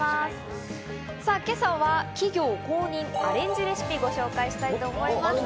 今朝は企業公認アレンジレシピをご紹介したいと思います。